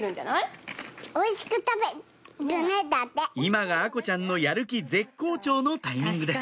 今が愛心ちゃんのやる気絶好調のタイミングです